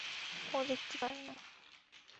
ও দেখতে পারে না।